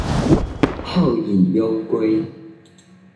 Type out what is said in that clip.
后以忧归。